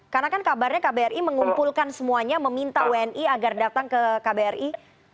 karena kan kabarnya kbri mengumpulkan semuanya meminta wni agar datang ke kbri